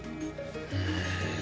うん。